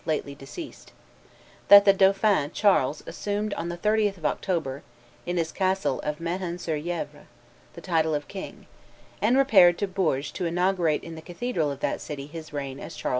lately deceased," that the dauphin Charles assumed on the 30th of October, in his castle of Mehun sur Yevre, the title of king, and repaired to Bourges to inaugurate in the cathedral of that city his reign as Charles VII.